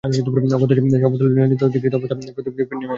অগত্যা সে অপদস্থ লাঞ্ছিত ধিকৃত ও বিতাড়িত অবস্থায় পৃথিবীতে নেমে আসে।